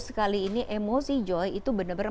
sekali ini emosi joy itu benar benar